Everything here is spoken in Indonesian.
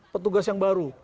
petugas yang baru